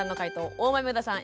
大豆生田さん